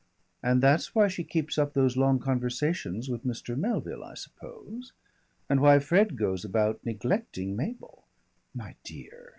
"And that's why she keeps up those long conversations with Mr. Melville, I suppose, and why Fred goes about neglecting Mabel " "My dear!"